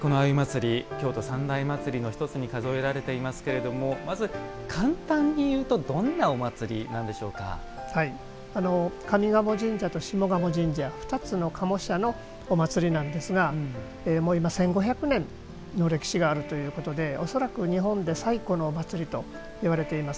この葵祭京都三大祭りの１つに数えられていますけれどもまず、簡単に言うと上賀茂神社と下鴨神社２つの賀茂社のお祭りなんですが今、１５００年の歴史があるということで恐らく日本で最古のお祭りといわれています。